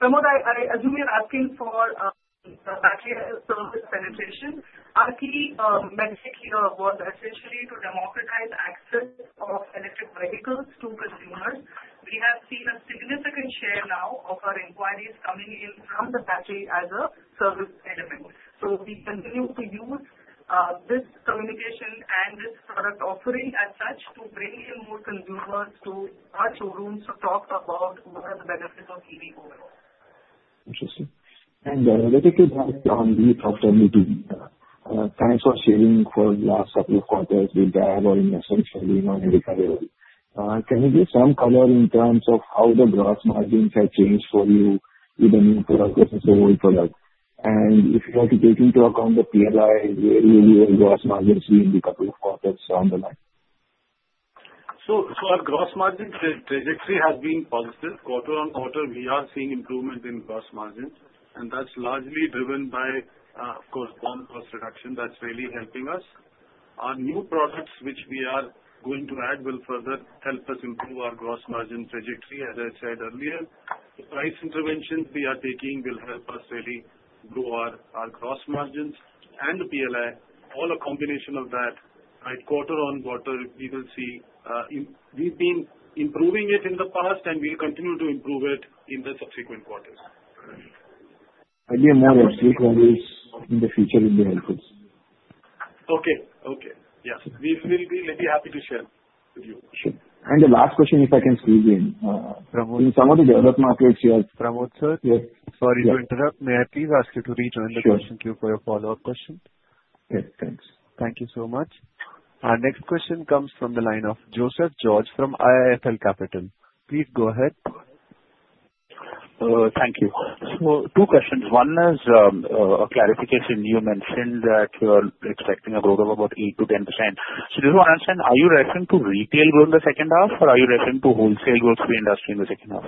Pramod, I assume you're asking for battery and service penetration. Our key metric here was essentially to democratize access of electric vehicles to consumers. We have seen a significant share now of our inquiries coming in from the battery as a service element. We continue to use this communication and this product offering as such to bring in more consumers to our showrooms to talk about what are the benefits of EV overall. Interesting. Let me just ask on the software meeting. Thanks for sharing for the last couple of quarters. We've been dabbling essentially on every category. Can you give some color in terms of how the gross margins have changed for you with the new product versus the old product? If you were to take into account the PLI, where will your gross margins be in the couple of quarters down the line? Our gross margin trajectory has been positive. Quarter on quarter, we are seeing improvement in gross margins, and that's largely driven by, of course, BOM cost reduction that's really helping us. Our new products, which we are going to add, will further help us improve our gross margin trajectory, as I said earlier. The price interventions we are taking will help us really grow our gross margins and the PLI. All a combination of that, right? Quarter on quarter, we will see we've been improving it in the past, and we'll continue to improve it in the subsequent quarters. Any more obstacles in the future will be helpful. Okay. Okay. Yes. We will be really happy to share with you. Sure. The last question, if I can squeeze in. In some of the developed markets here. Pramod sir? Yes. Sorry to interrupt. May I please ask you to rejoin the question queue for a follow-up question? Yes. Thanks. Thank you so much. Our next question comes from the line of Joseph George from IIFL Capital. Please go ahead. Thank you. Two questions. One is a clarification. You mentioned that you're expecting a growth of about 8%-10%. I just want to understand, are you referring to retail growth in the second half, or are you referring to wholesale growth for the industry in the second half?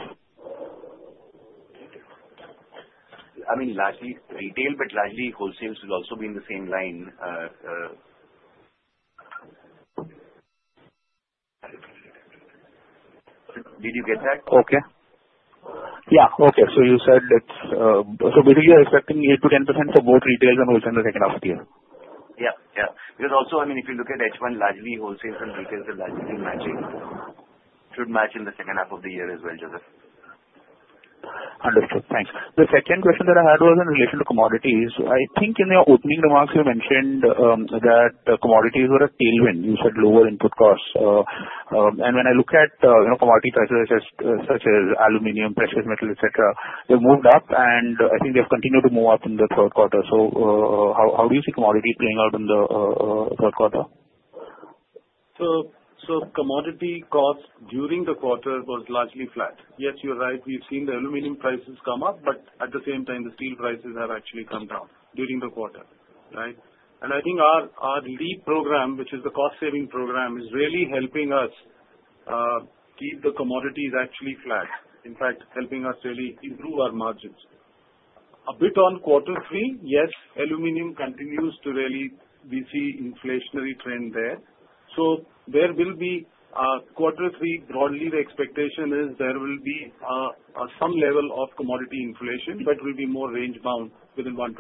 I mean, largely retail, but largely wholesales will also be in the same line. Did you get that? Okay. Yeah. Okay. So you said that so basically, you're expecting 8%-10% for both retail and wholesale in the second half of the year? Yeah. Yeah. Because also, I mean, if you look at H1, largely wholesales and retails will largely be matching. Should match in the second half of the year as well, Joseph. Understood. Thanks. The second question that I had was in relation to commodities. I think in your opening remarks, you mentioned that commodities were a tailwind. You said lower input costs. When I look at commodity prices such as aluminum, precious metals, etc., they have moved up, and I think they have continued to move up in the third quarter. How do you see commodity playing out in the third quarter? Commodity costs during the quarter was largely flat. Yes, you're right. We've seen the aluminum prices come up, but at the same time, the steel prices have actually come down during the quarter. Right? I think our lead program, which is the cost-saving program, is really helping us keep the commodities actually flat. In fact, helping us really improve our margins. A bit on quarter three, yes, aluminum continues to really be seen in the inflationary trend there. There will be quarter three, broadly, the expectation is there will be some level of commodity inflation, but it will be more range-bound within 1%-2%.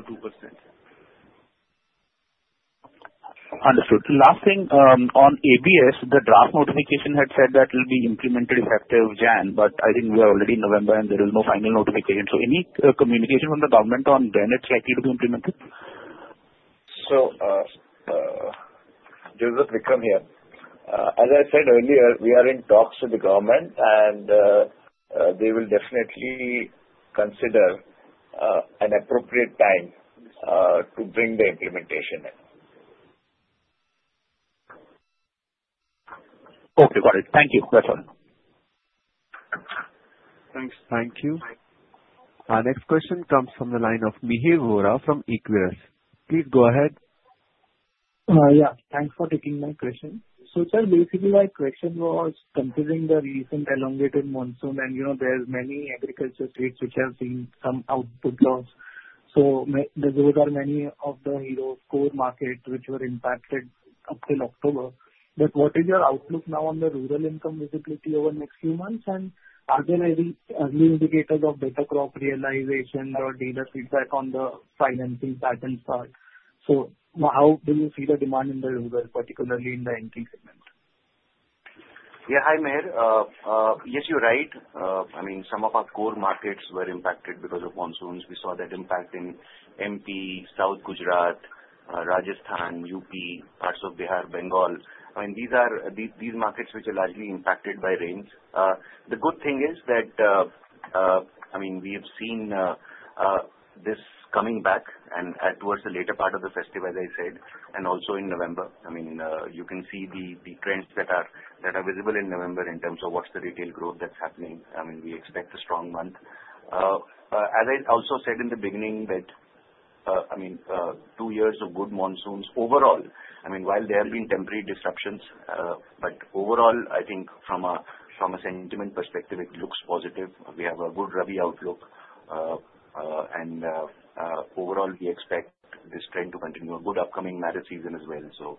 Understood. Last thing on ABS, the draft notification had said that it will be implemented effective January, but I think we are already in November, and there is no final notification. So any communication from the government on when it's likely to be implemented? Joseph, Vikram here. As I said earlier, we are in talks with the government, and they will definitely consider an appropriate time to bring the implementation in. Okay. Got it. Thank you. That's all. Thanks. Thank you. Our next question comes from the line of Mihir Vora from Equirus. Please go ahead. Yeah. Thanks for taking my question. Sir, basically, my question was considering the recent elongated monsoon, and there are many agriculture states which have seen some output loss. There are many of the core markets which were impacted up till October. What is your outlook now on the rural income visibility over the next few months? Are there any early indicators of better crop realization or dealer feedback on the financing pattern start? How do you see the demand in the rural, particularly in the segment? Yeah. Hi, Mihir. Yes, you're right. I mean, some of our core markets were impacted because of monsoons. We saw that impact in MP, South Gujarat, Rajasthan, Uttar Pradesh, parts of Bihar, Bengal. I mean, these are these markets which are largely impacted by rains. The good thing is that, I mean, we have seen this coming back and towards the later part of the festival, as I said, and also in November. I mean, you can see the trends that are visible in November in terms of what's the retail growth that's happening. I mean, we expect a strong month. As I also said in the beginning, that, I mean, two years of good monsoons overall. I mean, while there have been temporary disruptions, but overall, I think from a sentiment perspective, it looks positive. We have a good rubby outlook, and overall, we expect this trend to continue. A good upcoming market season as well.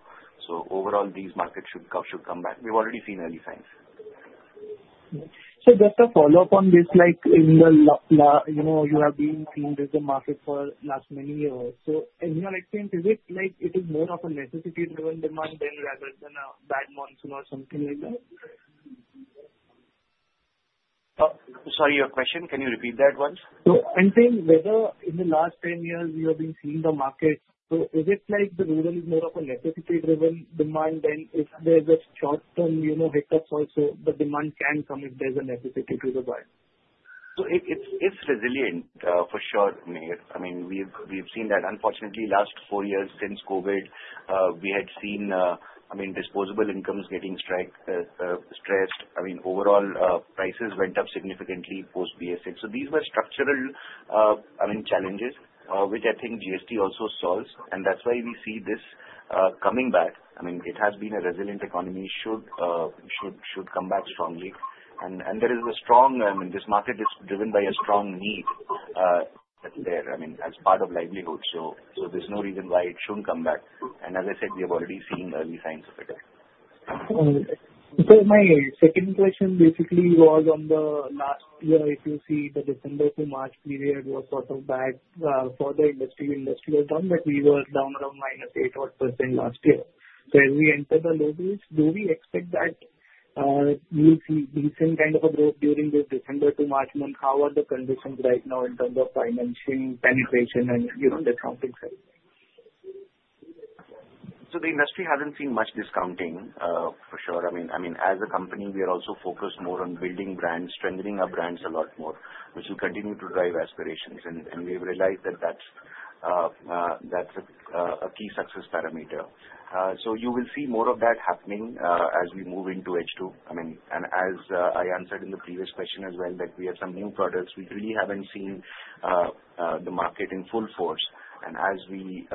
Overall, these markets should come back. We've already seen early signs. Just a follow-up on this, like in the you have been seeing this in the market for the last many years. In your experience, is it like it is more of a necessity-driven demand rather than a bad monsoon or something like that? Sorry, your question. Can you repeat that once? I'm saying whether in the last 10 years, we have been seeing the market. Is it like the rural is more of a necessity-driven demand, that if there's a short-term hiccup also, the demand can come if there's a necessity to buy? It's resilient, for sure. I mean, we've seen that. Unfortunately, the last four years since COVID, we had seen, I mean, disposable incomes getting stressed. I mean, overall, prices went up significantly post-BS6. These were structural, I mean, challenges, which I think GST also solves. That's why we see this coming back. I mean, it has been a resilient economy. It should come back strongly. There is a strong, I mean, this market is driven by a strong need that's there, I mean, as part of livelihood. There's no reason why it shouldn't come back. As I said, we have already seen early signs of it. My second question basically was on the last year. If you see the December to March period was sort of bad for the industry. The industry was down, but we were down around -8% or 10% last year. As we enter the lows, do we expect that we'll see decent kind of a growth during this December to March month? How are the conditions right now in terms of financing penetration and discounting side? The industry has not seen much discounting, for sure. I mean, as a company, we are also focused more on building brands, strengthening our brands a lot more, which will continue to drive aspirations. We have realized that is a key success parameter. You will see more of that happening as we move into H2. I mean, as I answered in the previous question as well, we have some new products, we really have not seen the market in full force. As we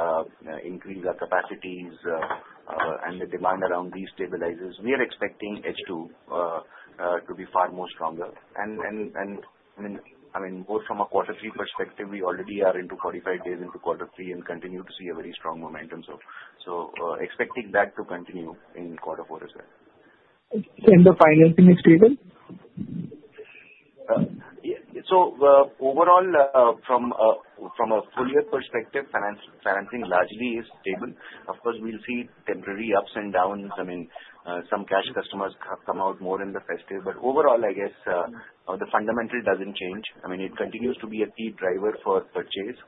increase our capacities and the demand around these stabilizes, we are expecting H2 to be far stronger. I mean, both from a quarter three perspective, we already are 45 days into quarter three and continue to see very strong momentum. Expecting that to continue in quarter four as well. Is the financing stable? Overall, from a full year perspective, financing largely is stable. Of course, we'll see temporary ups and downs. I mean, some cash customers have come out more in the festival. Overall, I guess the fundamental does not change. I mean, it continues to be a key driver for purchase.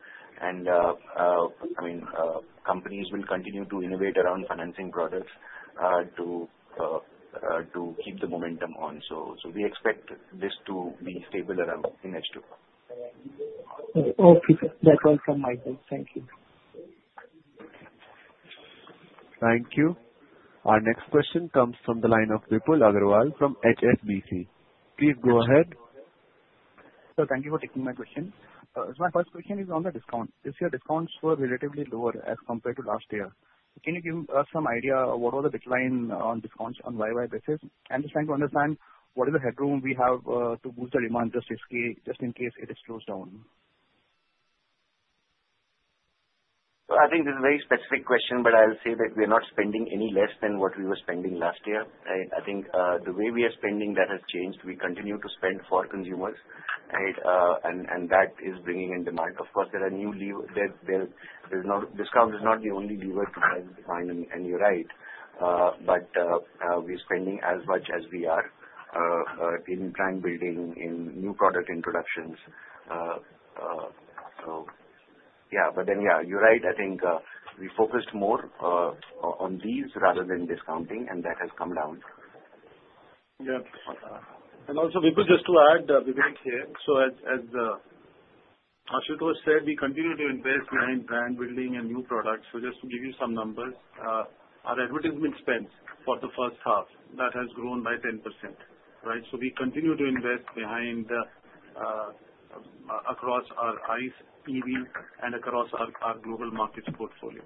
I mean, companies will continue to innovate around financing products to keep the momentum on. We expect this to be stable around in H2. Okay. That was from my side. Thank you. Thank you. Our next question comes from the line of Vipul Agarwal from HSBC. Please go ahead. Thank you for taking my question. My first question is on the discount. Your discounts were relatively lower as compared to last year. Can you give us some idea of what was the decline on discounts on a year-over-year basis? I'm just trying to understand what is the headroom we have to boost the demand just in case it is closed down? I think this is a very specific question, but I'll say that we are not spending any less than what we were spending last year. I think the way we are spending, that has changed. We continue to spend for consumers, and that is bringing in demand. Of course, new discounts is not the only lever to try to define, and you're right. We're spending as much as we are in brand building, in new product introductions. Yeah. You're right. I think we focused more on these rather than discounting, and that has come down. Yeah. Also, Vipul, just to add, Vipul here. As Ashutosh said, we continue to invest behind brand building and new products. Just to give you some numbers, our advertisement spend for the first half, that has grown by 10%. Right? We continue to invest behind across our ICE EV and across our global markets portfolio.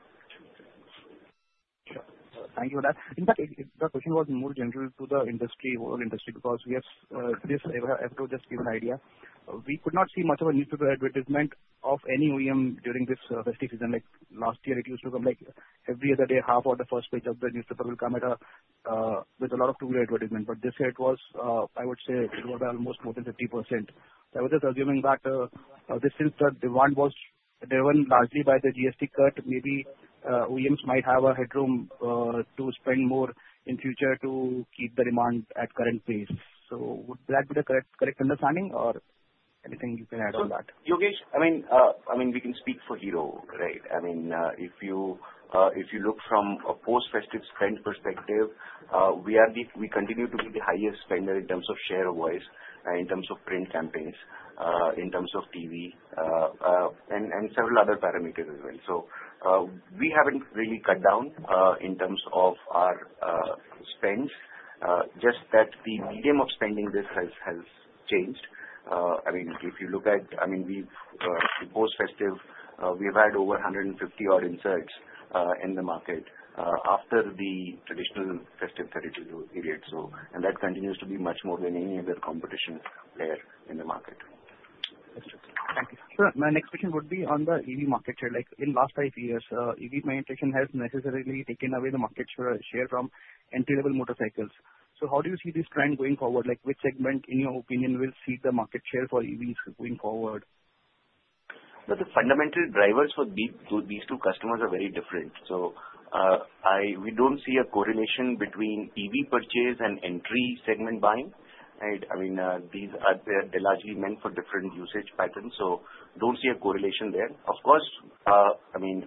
Sure. Thank you for that. In fact, the question was more general to the industry, overall industry, because we have just given an idea. We could not see much of a newspaper advertisement of any OEM during this festive season. Like last year, it used to come like every other day, half of the first page of the newspaper will come with a lot of two-way advertisement. This year, it was, I would say, it was almost more than 50%. I was just assuming that the demand was driven largely by the GST cut. Maybe OEMs might have a headroom to spend more in future to keep the demand at current pace. Would that be the correct understanding, or anything you can add on that? Yogesh, I mean, we can speak for Hero, right? I mean, if you look from a post-festive spend perspective, we continue to be the highest spender in terms of share of voice, in terms of print campaigns, in terms of TV, and several other parameters as well. We haven't really cut down in terms of our spends, just that the medium of spending has changed. I mean, if you look at, I mean, post-festive, we've had over 150 odd inserts in the market after the traditional festive period. That continues to be much more than any other competition player in the market. Thank you. My next question would be on the EV market share. In the last five years, EV penetration has necessarily taken away the market share from entry-level motorcycles. How do you see this trend going forward? Which segment, in your opinion, will see the market share for EVs going forward? The fundamental drivers for these two customers are very different. We do not see a correlation between EV purchase and entry segment buying. I mean, they are largely meant for different usage patterns. We do not see a correlation there. Of course, I mean,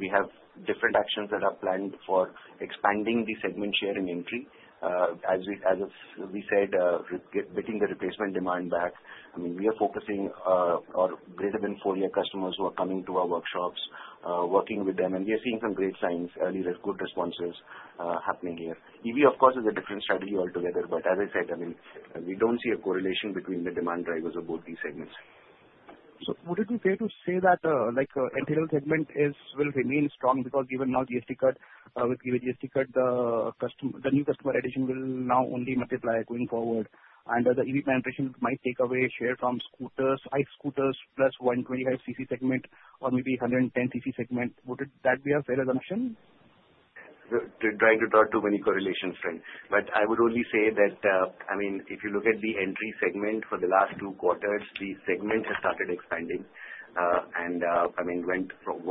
we have different actions that are planned for expanding the segment share in entry. As we said, getting the replacement demand back. I mean, we are focusing on greater than four-year customers who are coming to our workshops, working with them. We are seeing some great signs, early good responses happening here. EV, of course, is a different strategy altogether. As I said, I mean, we do not see a correlation between the demand drivers of both these segments. Would it be fair to say that entry-level segment will remain strong because given now GST cut, with given GST cut, the new customer addition will now only multiply going forward? The EV penetration might take away share from scooters, ICE scooters, plus 125cc segment or maybe 110cc segment. Would that be a fair assumption? Trying to draw too many correlations, friend. I would only say that, I mean, if you look at the entry segment for the last two quarters, the segment has started expanding. I mean,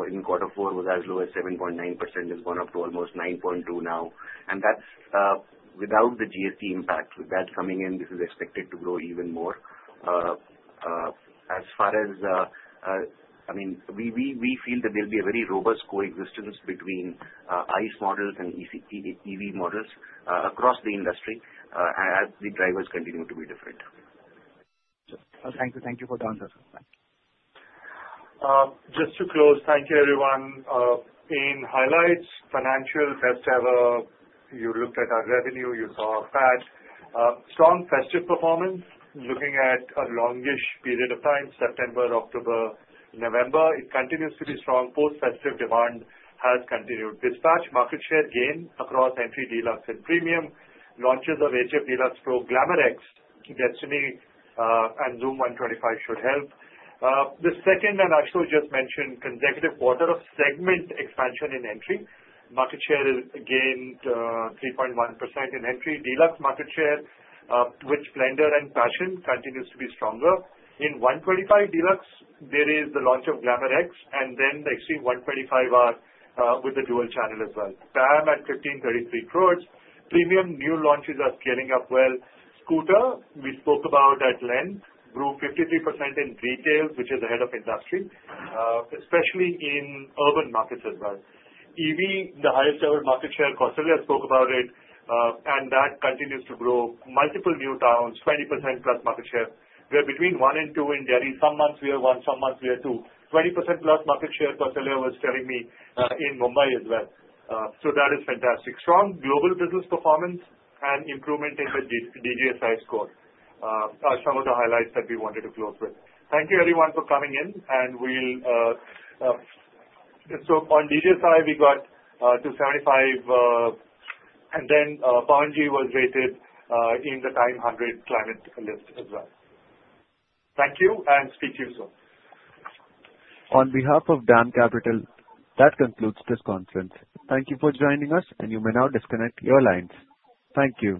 in quarter four, it was as low as 7.9%. It has gone up to almost 9.2% now. That is without the GST impact. With that coming in, this is expected to grow even more. As far as, I mean, we feel that there will be a very robust coexistence between ICE models and EV models across the industry as the drivers continue to be different. Thank you for the answer. Thank you. Just to close, thank you, everyone. In highlights, financial, best ever, you looked at our revenue, you saw our PAT. Strong festive performance looking at a longish period of time, September, October, November. It continues to be strong. Post-festive demand has continued. Dispatch market share gain across entry, deluxe, and premium. Launches of HF Deluxe Pro, Glamour X, Destini, and Xoom 125 should help. The second, and Ashutosh just mentioned, consecutive quarter of segment expansion in entry. Market share gained 3.1% in entry. Deluxe market share with Splendor and Passion continues to be stronger. In 125 Deluxe, there is the launch of Glamour X, and then the Xtreme 125R with the dual channel as well. BAM at 15.33 crores. Premium new launches are scaling up well. Scooter, we spoke about at length, grew 53% in retail, which is ahead of industry, especially in urban markets as well. EV, the highest ever market share, Kausalya, I spoke about it, and that continues to grow. Multiple new towns, 20%+ market share. We are between one and two in Delhi. Some months we are one, some months we are two. 20%+ market share, Kausalya was telling me in Mumbai as well. That is fantastic. Strong global business performance and improvement in the DJSI score. Some of the highlights that we wanted to close with. Thank you, everyone, for coming in. On DJSI, we got to 75, and then Pawan was rated in the TIME100 climate list as well. Thank you, and speak to you soon. On behalf of DAM Capital, that concludes this conference. Thank you for joining us, and you may now disconnect your lines. Thank you.